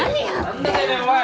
何だてめぇおい！